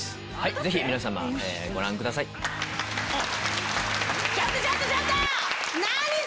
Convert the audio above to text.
ぜひ皆様ご覧ください。